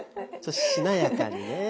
ちょっとしなやかにね。